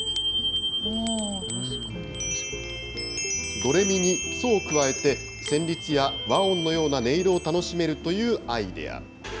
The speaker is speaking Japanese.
ドレミにソを加えて、旋律や和音のような音色を楽しめるというアイデア。